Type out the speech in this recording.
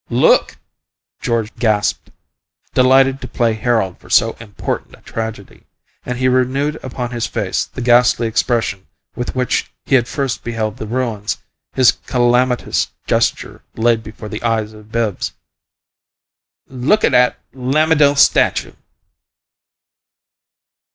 "LOOK!" George gasped, delighted to play herald for so important a tragedy; and he renewed upon his face the ghastly expression with which he had first beheld the ruins his calamitous gesture laid before the eyes of Bibbs. "Look at 'at lamidal statue!"